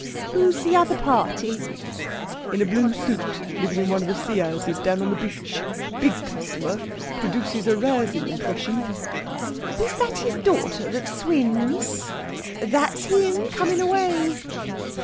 "Who's the other party?" "In a blue soote, livin' in one of the sea 'ouses down on the beach. Big customer. Prodooces a rousin' impression!" "Is that his daughter that swims?... That's him coming away."